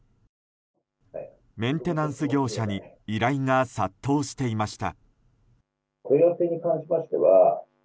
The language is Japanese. メンテナンス業者に依頼が殺到していました。